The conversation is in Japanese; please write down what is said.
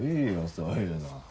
そういうのは。